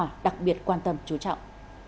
khánh hòa đặc biệt quan tâm chú trọng